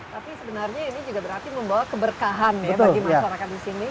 tapi sebenarnya ini juga berarti membawa keberkahan ya bagi masyarakat di sini